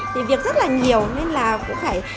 thì việc rất là nhiều nên là cũng phải